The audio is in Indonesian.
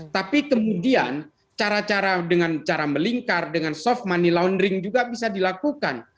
tapi kemudian cara cara dengan cara melingkar dengan soft money laundering juga bisa dilakukan